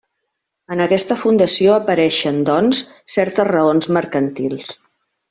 En aquesta fundació apareixen, doncs, certes raons mercantils.